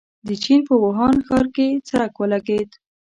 د چين په ووهان ښار کې څرک ولګېد.